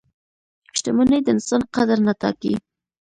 • شتمني د انسان قدر نه ټاکي.